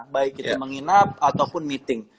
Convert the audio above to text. baik itu menginap ataupun meeting